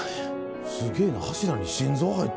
すげぇな柱に心臓入ってんのか。